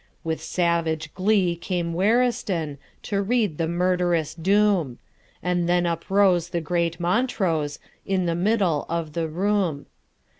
With savage glee came WarristounTo read the murderous doom; And then uprose the great MontroseIn the middle of the room.